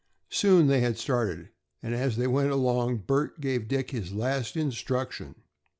Soon they had started, and as they went along Bert gave Dick his last instruction.